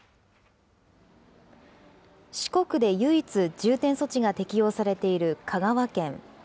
四国で唯一、重点措置が適用されている香川県。